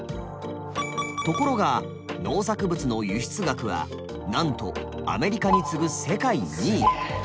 ところが農作物の輸出額はなんとアメリカに次ぐ世界２位。